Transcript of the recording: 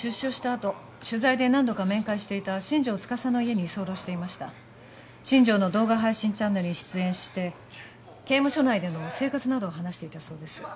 あと取材で何度か面会していた新城司の家に居候していました新城の動画配信チャンネルに出演して刑務所内での生活などを話していたそうです